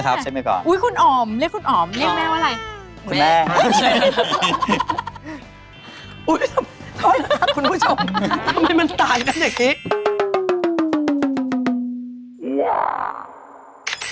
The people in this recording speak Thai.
ช่าขอโทษเลยนะคะคุณผู้ชมทำไมมันตายถ้าเดี๋ยวกัน